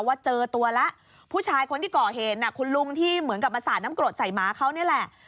ว่าเจอตัวแล้วผู้ชายคนที่ก่อเหตุน่ะคุณลุงที่เหมือนกับมาสาดน้ำกรดใส่หมาเขานี่แหละ